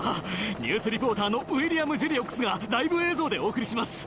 ニュースリポーターのウィリアム・ジリオックスがライブ映像でお送りします。